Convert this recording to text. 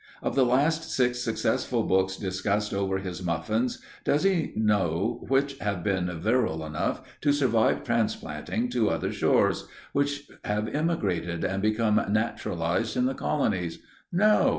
Of the last six successful books discussed over his muffins, does he know which have been virile enough to survive transplanting to other shores which have emigrated and become naturalized in the colonies? No!